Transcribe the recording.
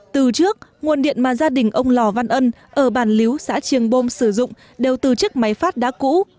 từ trước nguồn điện mà gia đình ông lò văn ân ở bàn liếu xã trường bôm sử dụng đều từ chức máy phát đá cũ